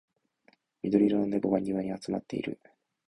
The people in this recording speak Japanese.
緑色の猫が庭に集まっている